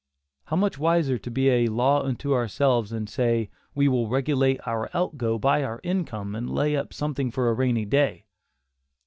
How much wiser to be a "law unto ourselves" and say, "we will regulate our out go by our income, and lay up something for a rainy day."